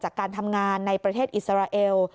จากการทำงานในประเทศอิสราเอล